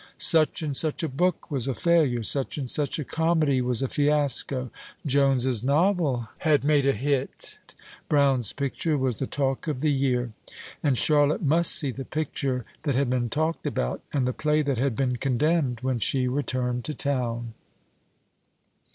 Such and such a book was a failure, such and such a comedy was a fiasco; Jones's novel had made a hit; Brown's picture was the talk of the year; and Charlotte must see the picture that had been talked about, and the play that had been condemned, when she returned to town.